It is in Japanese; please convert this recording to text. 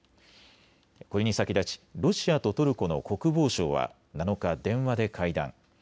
これに先立ちロシアとトルコの国防相は７日、電話で会談。